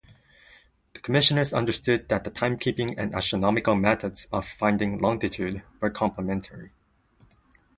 The Commissioners understood that the timekeeping and astronomical methods of finding longitude were complementary.